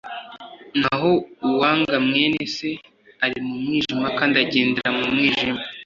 naho uwanga mwene Se ari mu mwijima kandi agendera mu mwijima,